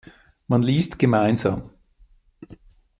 Man liest gemeinsam.